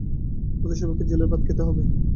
আমাদের সবাইকে জেলের ভাত খেতে হবে।